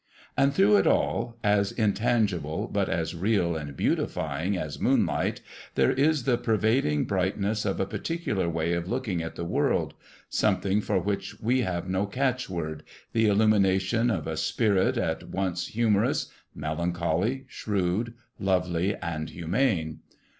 And through it all, as intangible but as real and beautifying as moonlight, there is the pervading brightness of a particular way of looking at the world, something for which we have no catchword, the illumination of a spirit at once humorous, melancholy, shrewd, lovely and humane.